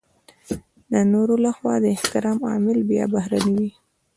د نورو لخوا د احترام عامل بيا بهرنی وي.